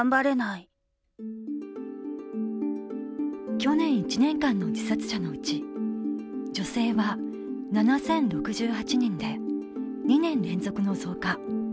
去年１年間の自殺者のうち女性は７０６８人で２年連続の増加。